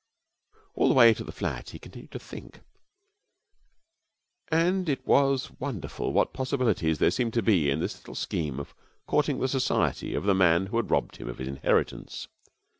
All the way to the flat he continued to think, and it was wonderful what possibilities there seemed to be in this little scheme of courting the society of the man who had robbed him of his inheritance.